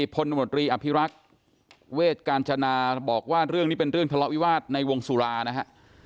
พลตำรวจรีอภิรักษ์เวทกาญจนาบอกว่าเรื่องนี้เป็นเรื่องทะเลาะวิวาสในวงสุรานะฮะ